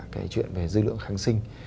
cái chuyện về dư lượng kháng sinh